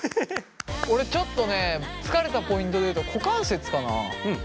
俺ちょっとね疲れたポイントで言うと股関節かな。